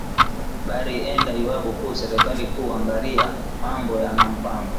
Bari enda lwabo ku serkali ku angariya mambo ya ma mpango